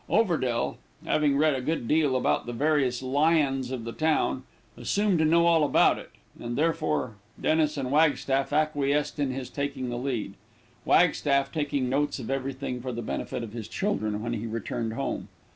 Overdale, having read a good deal about the various "lions" of the town, assumed to know all about it, and therefore Dennis and Wagstaff acquiesced in his taking the lead; Wagstaff taking notes of everything for the benefit of his children when he returned home.